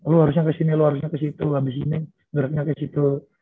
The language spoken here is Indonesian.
lu harusnya kesini lu harusnya kesitu abis ini geraknya kesitu